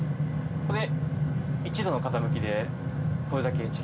これ１度の傾きでこれだけ違います。